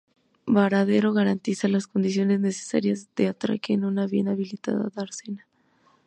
Varadero garantiza las condiciones necesarias de atraque en una bien habilitada dársena.